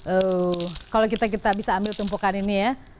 oh kalau kita bisa ambil tumpukan ini ya